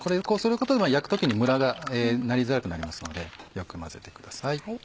こうすることで焼く時にムラがなりづらくなりますのでよく混ぜてください。